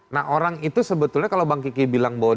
nah orang itu sebetulnya kalau bang kiki bilang bahwa